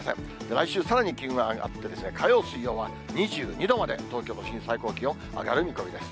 来週、さらに気温が上がって、火曜、水曜は２２度まで東京都心、最高気温上がる見込みです。